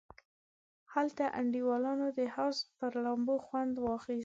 هلته انډیوالانو د حوض پر لامبو خوند واخیست.